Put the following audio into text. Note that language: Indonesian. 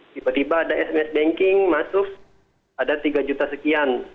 tiba tiba ada sms banking masuk ada tiga juta sekian